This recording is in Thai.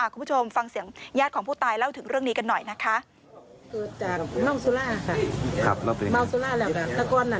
คุณผู้ชมฟังเสียงญาติของผู้ตายเล่าถึงเรื่องนี้กันหน่อยนะคะ